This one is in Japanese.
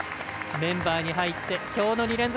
メンバーに入ってきょうの２連続